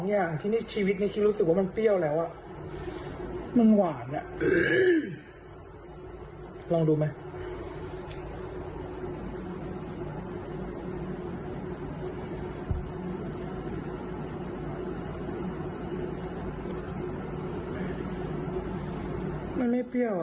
๒อย่างที่ชีวิตในชีวิตรู้สึกว่ามันเปรี้ยวแล้ว